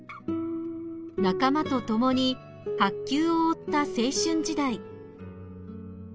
仲間とともに白球を追った青春時代。